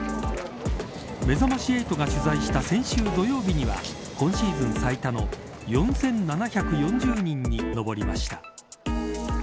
めざまし８が取材した先週土曜日には今シーズン最多の４７４０人に上りました。